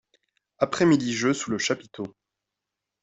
Après-midi jeux sous le chapiteau.